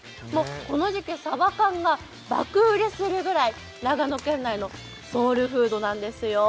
この時期、さば缶が爆売れするくらい長野県内のソウルフードなんですよ。